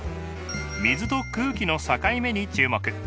水と空気の境目に注目。